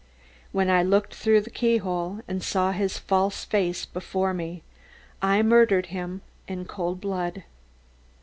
When I looked through the keyhole and saw his false face before me, I murdered him in cold blood.